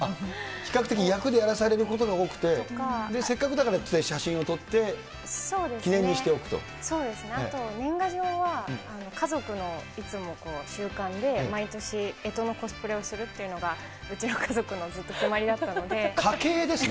比較的役でやらされることが多くて、せっかくだからって写真を撮って、そうですね、あと年賀状は家族のいつもこう、習慣で、毎年、えとのコスプレをするっていうのが、うちの家族のずっと決まりだったので。